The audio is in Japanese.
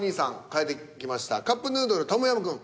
変えてきました「カップヌードルトムヤムクン」。